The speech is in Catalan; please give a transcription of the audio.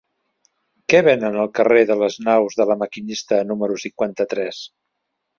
Què venen al carrer de les Naus de La Maquinista número cinquanta-tres?